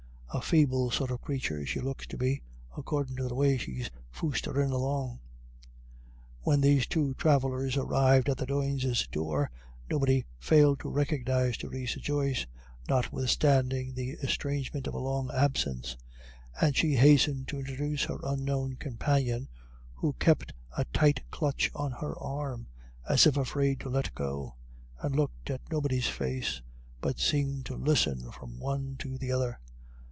A feeble sort of crathur she looks to be, accordin' to the way she's foostherin' along." When these two travellers arrived at the Doynes' door, nobody failed to recognise Theresa Joyce, notwithstanding the estrangement of a long absence; and she hastened to introduce her unknown companion, who kept a tight clutch on her arm, as if afraid to let go, and looked at nobody's face, but seemed to listen from one to the other.